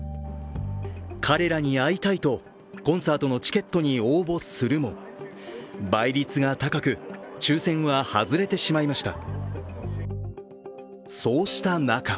彼らに会いたいとコンサートのチケットに応募するも倍率が高く抽選は外れてしまいました。